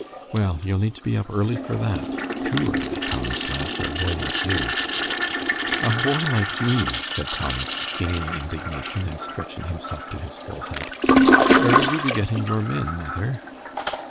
"Well, you'll need to be up early for that, too early, Thomas, lad, for a boy like you." "A boy like me!" said Thomas, feigning indignation, and stretching himself to his full height. "Where would you be getting your men, mother?"